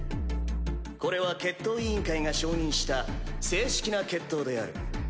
これは決闘委員会が承認した正式な決闘である。